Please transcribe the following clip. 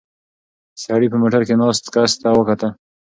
سړي په موټر کې ناست کس ته وکتل.